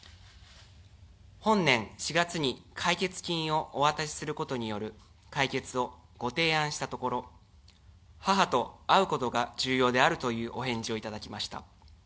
本年４月に解決金をお渡しすることによる解決をご提案したところ、母と会うことが重要であるとのお返事をいただきました。